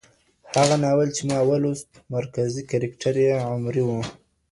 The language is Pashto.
هغه ناول چي ما ولوست مرکزي کرکټر يې عمري و.